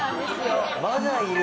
まだいる？